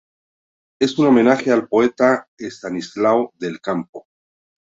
Es un homenaje al poeta Estanislao del Campo.